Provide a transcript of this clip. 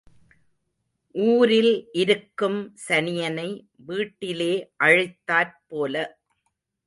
ஊரில் இருக்கும் சனியனை வீட்டிலே அழைத்தாற் போல.